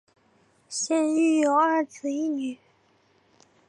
现育有二子一女。